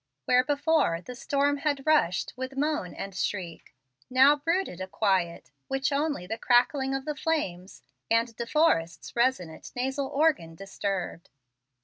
Where, before, the storm had rushed, with moan and shriek, now brooded a quiet which only the crackling of the flames and De Forrest's resonant nasal organ disturbed.